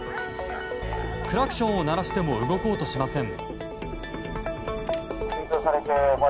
クラクションを鳴らしても動こうとしません。